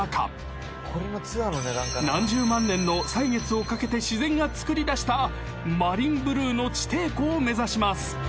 ［何十万年の歳月をかけて自然がつくりだしたマリンブルーの地底湖を目指します］